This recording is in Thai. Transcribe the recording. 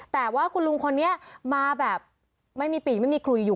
แต่ว่าคุณลุงคนนี้มาแบบไม่มีปีกไม่มีคุยอยู่